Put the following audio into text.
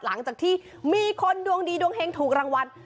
หลังจากที่มีคนดวงดีดวงเฮงถูกรางวัล